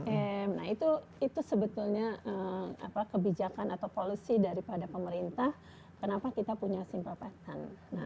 oke nah itu sebetulnya kebijakan atau policy daripada pemerintah kenapa kita punya simple patent